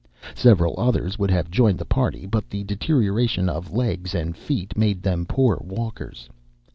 Several others would have joined the party, but the deterioration of legs and feet made them poor walkers.